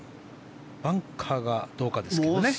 バンカーがどうかですけどね。